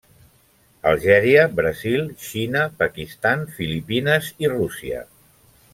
Algèria, Brasil, Xina, Pakistan, Filipines i Rússia.